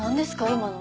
今の。